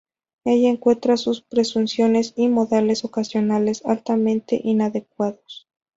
Ella encuentra sus presunciones y modales ocasionales altamente inadecuados.